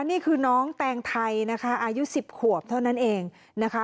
นี่คือน้องแตงไทยนะคะอายุ๑๐ขวบเท่านั้นเองนะคะ